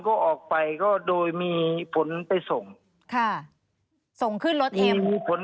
ก็ออกไปก็โดยมีผลไปส่งค่ะส่งขึ้นรถเอ็มมีผล